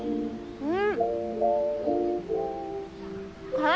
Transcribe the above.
うん。